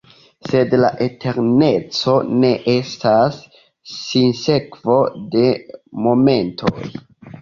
Sed la eterneco ne estas sinsekvo de momentoj!